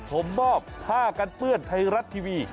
ผมมอบผ้ากันเปื้อนไทยรัฐทีวี